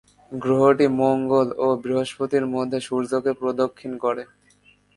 গ্রহটি মঙ্গল ও বৃহস্পতির মধ্যে সূর্যকে প্রদক্ষিণ করে।